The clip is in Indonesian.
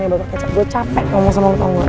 ya bapak kecap gue capek ngomong sama elu tau gak